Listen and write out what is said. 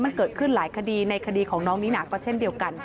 มันเกิดขึ้นหลายคดีในคดีของน้องนิน่าก็เช่นเดียวกัน